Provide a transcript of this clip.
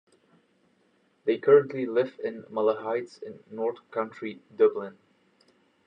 They currently live in Malahide in North County Dublin.